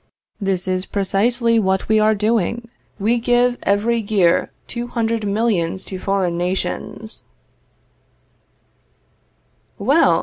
This is precisely what we are doing. We give, every year, two hundred millions to foreign nations." Well!